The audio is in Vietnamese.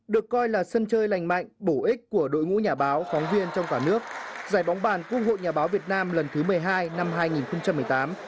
được coi là sân chơi lành mạnh bổ ích của đội ngũ nhà báo phóng viên trong cả nước giải bóng bàn quốc hội nhà báo việt nam lần thứ một mươi hai năm hai nghìn một mươi tám